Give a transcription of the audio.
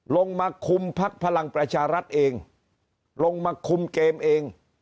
ลงมาคุมพักพลังประชารัฐเองลงมาคุมเกมเอง